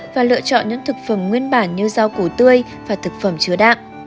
và lựa chọn những thực phẩm nguyên bản như rau củ tươi và thực phẩm chứa đạn